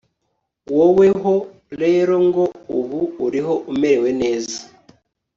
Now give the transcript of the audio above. woweho rero ngo ubu uriho umerewe neza